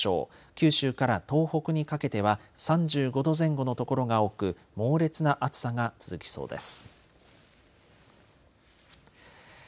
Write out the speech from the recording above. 九州から東北にかけては３５度前後の所が多く猛烈な暑さが続きそうです。